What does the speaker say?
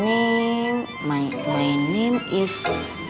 nama saya adalah